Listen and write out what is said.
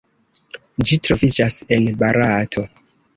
Ĝi troviĝas en Barato.